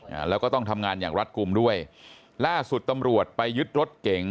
อ่าแล้วก็ต้องทำงานอย่างรัฐกลุ่มด้วยล่าสุดตำรวจไปยึดรถเก๋ง